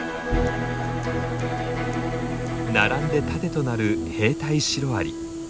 並んで盾となる兵隊シロアリ。